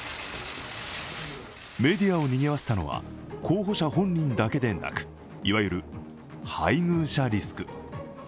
メディアを賑わせたのは候補者本人だけでなく、いわゆる配偶者リスク。